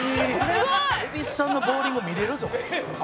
「蛭子さんのボウリング見れるぞ」